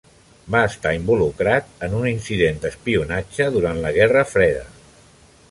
Va estar involucrat en un incident d'espionatge durant la Guerra freda.